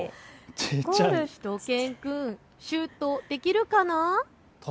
しゅと犬くんシュートできるかな。